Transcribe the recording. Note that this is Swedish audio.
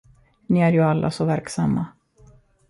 Ni är ju alla så verksamma.